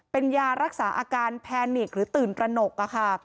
เป็นยารักษาอาการแพนิกหรือตื่นตระหนกค่ะ